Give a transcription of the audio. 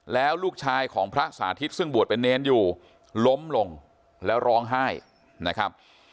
แล้วลูกชายของพระสาธิตซึ่งบวชเป็นเนรอยู่ล้มลงแล้วร้องไห้นะครับ